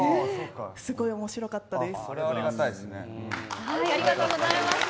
すごい面白かったです。